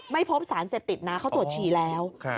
ไม่พบสารเสพติดนะเขาตรวจฉี่แล้ว